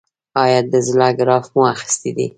ایا د زړه ګراف مو اخیستی دی؟